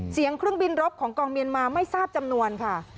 เครื่องบินรบของกองเมียนมาไม่ทราบจำนวนค่ะ